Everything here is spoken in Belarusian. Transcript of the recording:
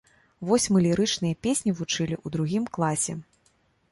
Вось мы лірычныя песні вучылі ў другім класе.